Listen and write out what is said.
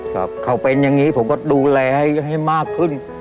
ครับเขาเป็นอย่างนี้ผมก็ดูแลให้มากขึ้น